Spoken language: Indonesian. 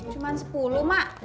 cuma sepuluh mak